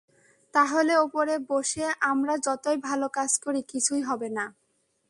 তাহলে ওপরে বসে আমরা যতই ভালো কাজ করি কিছুই হবে না।